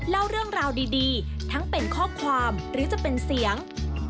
เล่าเรื่องราวดีทั้งเป็นข้อความหรือจะเป็นเสียง